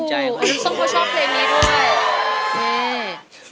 นุสังพก็ชอบเพลงนี้ด้วย